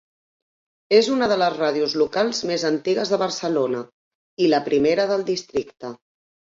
És una de les ràdios locals més antigues de Barcelona, i la primera del districte.